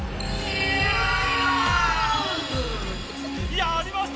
やりました